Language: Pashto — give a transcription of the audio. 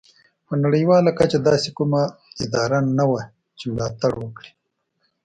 په نړیواله کچه داسې کومه اداره نه وه چې ملاتړ وکړي.